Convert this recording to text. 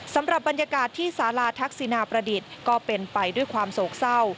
สำหรับบรรยากาศที่สาราทักษินาประดิษฐ์ก็เป็นไปด้วยความโศกเศร้า